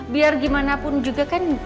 biar gimana pun juga kan